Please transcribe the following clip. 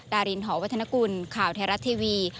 ดารินหอวัฒนกุลข่าวไทยรัฐทีวี